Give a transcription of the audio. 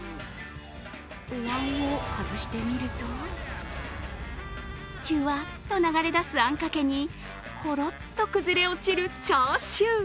お椀を外してみるとジュワッと流れだすあんかけにとろっと崩れ落ちるチャーシュー。